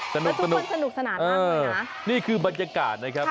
ทุกคนสนุกสนานนี่คือบรรยากาศนะครับ